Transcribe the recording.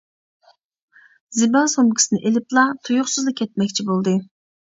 زىبا سومكىسىنى ئېلىپلا تۇيۇقسىزلا كەتمەكچى بولدى.